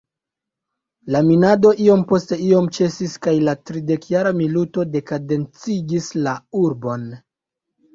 La minado iom post iom ĉesis kaj la "tridekjara milito" dekaden-cigis la urbon.